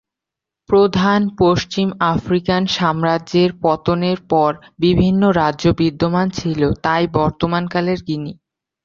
প্রধান পশ্চিম আফ্রিকান সাম্রাজ্যের পতনের পর, বিভিন্ন রাজ্য বিদ্যমান ছিল, তাই বর্তমানকালের গিনি।